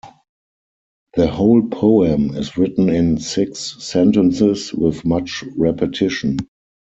The whole poem is written in six sentences with much repetition.